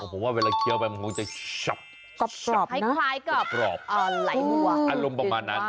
ผมว่าเวลาเคี้ยวไปมันคงจะชอบชอบชอบคล้ายคล้ายกรอบหลายมั่วอารมณ์ประมาณนั้น